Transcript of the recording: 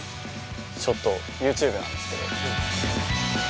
ちょっとＹｏｕＴｕｂｅなんですけど。